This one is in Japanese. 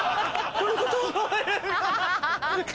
どういうこと？